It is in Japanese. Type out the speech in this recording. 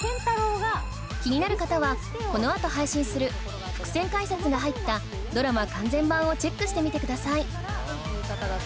気になる方はこのあと配信する伏線解説が入ったドラマ完全版をチェックしてみてください